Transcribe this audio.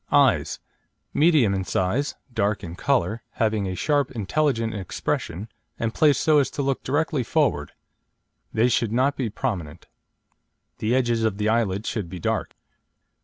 EYES Medium in size, dark in colour, having a sharp, intelligent expression, and placed so as to look directly forward. They should not be prominent. The edges of the eyelids should be dark.